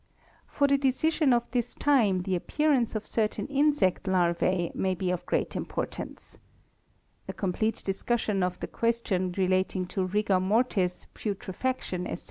For the decision of this time the appearance of certain insect larvae may be of great importance", A complete discussion of the questions relating to Rigor Mortis, Putrefaction, etc.